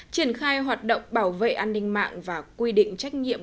triển khai hoạt động bảo vệ an ninh mạng và quy định trách nhiệm